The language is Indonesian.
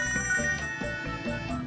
emangnya mau ke tempat yang sama